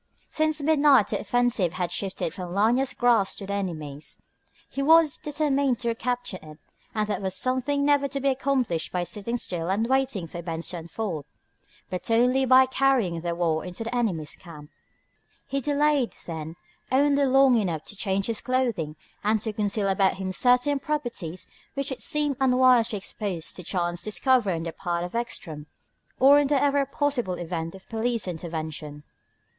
Since midnight the offensive had shifted from Lanyard's grasp to the enemy's. He was determined to recapture it; and that was something never to be accomplished by sitting still and waiting for events to unfold, but only by carrying the war into the enemy's camp. He delayed, then, only long enough to change his clothing and to conceal about him certain properties which it seemed unwise to expose to chance discovery on the part of Ekstrom or in the ever possible event of police intervention.